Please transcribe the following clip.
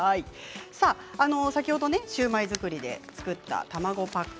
先ほどシューマイ作りで使った卵パック